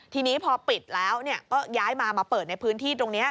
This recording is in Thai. ทีนี้พอปิดแล้วก็ย้ายมามาเปิดในพื้นที่ตรงนี้